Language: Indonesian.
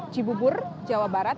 cibubur jawa barat